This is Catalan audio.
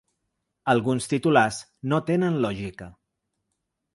Alguns titulars no tenen lògica.